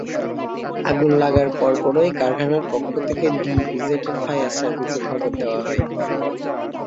আগুন লাগার পরপরই কারখানার পক্ষ থেকে ডিইপিজেডের ফায়ার সার্ভিসে খবর দেওয়া হয়।